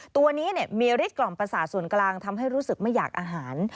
ตัวนี้มีฤทธกล่อมประสาทส่วนกลางทำให้รู้สึกไม่อยากอาหาร